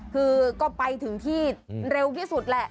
คือก็ไปถึงที่เร็วที่สุดแหละ